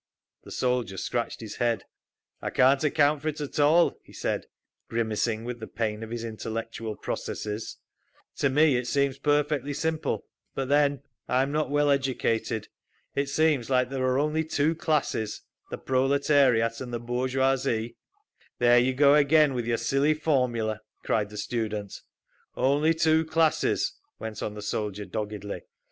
The soldier scratched his head. "I can't account for it at all," he said, grimacing with the pain of his intellectual processes. "To me it seems perfectly simple—but then, I'm not well educated. It seems like there are only two classes, the proletariat and the bourgeoisie—" "There you go again with your silly formula!" cried the student. "—only two classes," went on the soldier, doggedly.